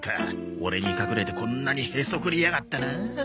オレに隠れてこんなにヘソクリやがったな。